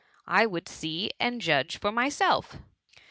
I would see and judge for myself.